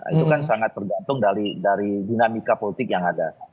itu kan sangat tergantung dari dinamika politik yang ada